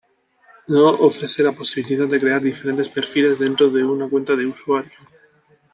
No ofrece la posibilidad de crear diferentes perfiles dentro de una cuenta de usuario.